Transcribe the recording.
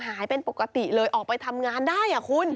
หายเป็นปกติเลยออกไปทำงานได้คุณ